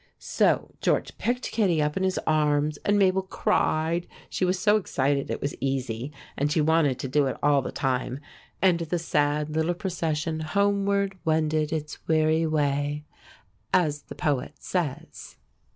So George picked Kittie up in his arms, and Mabel cried she was so excited it was easy, and she wanted to do it all the time and the sad little procession "homeward wended its weary way," as the poet says.